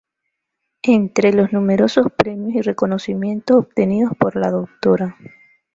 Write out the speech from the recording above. Entre los numerosos premios y reconocimientos obtenidos por la Dra.